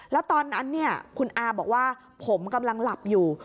แล้วตอนนั้นคุณอาบอกว่าผมกำลังหลับอยู่